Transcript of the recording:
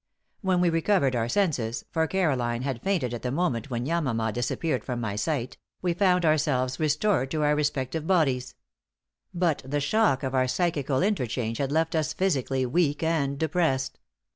When we recovered our senses for Caroline had fainted at the moment when Yamama dissappeared from my sight we found ourselves restored to our respective bodies; but the shock of our psychical interchange had left us physically weak and depressed.